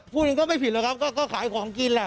มันก็ไม่ผิดหรอกครับก็ขายของกินแหละ